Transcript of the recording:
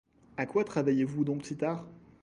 A quoi travaillez-vous donc si tard?